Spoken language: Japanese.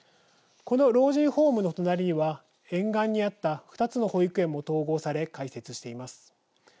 この老人ホームの隣には沿岸にあった２つの保育園も統合され、開設しています。